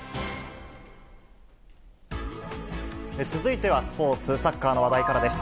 続いてはスポーツ、サッカーの話題からです。